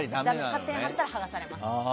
勝手に貼ったら剥がされます。